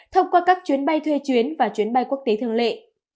thông qua các chuyến bay thuê chuyến và chuyến bay quốc tế thường lệ